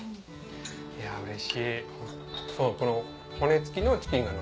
いやうれしい。